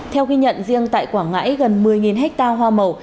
theo ghi nhận riêng tại quảng ngãi gần một mươi hectare hoa màu